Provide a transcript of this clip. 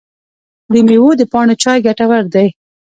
د میوو د پاڼو چای ګټور دی؟